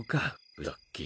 ルッキー。